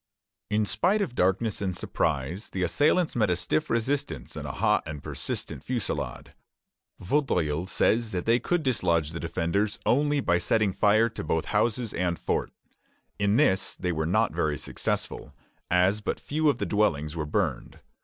In spite of darkness and surprise, the assailants met a stiff resistance and a hot and persistent fusillade. Vaudreuil says that they could dislodge the defenders only by setting fire to both houses and fort. In this they were not very successful, as but few of the dwellings were burned.